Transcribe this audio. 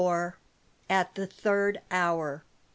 AT THE THIRD HOUR.